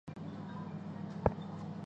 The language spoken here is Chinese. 遂斩之。